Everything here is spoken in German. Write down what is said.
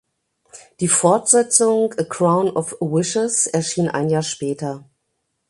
Die Fortsetzung "A Crown of Wishes" erschien ein Jahr später.